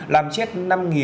làm chết năm người